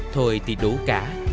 thôi thì đủ cả